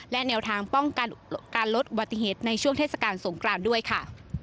และแนวทางป้องกันการลดอุบัติเหตุในช่วงเทศกาลสงครานด้วยค่ะ